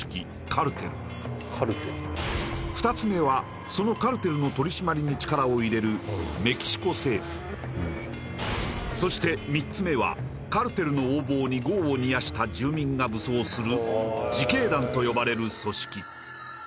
カルテル二つ目はそのカルテルの取り締まりに力を入れるメキシコ政府そして三つ目はカルテルの横暴に業を煮やした住民が武装する自警団と呼ばれる組織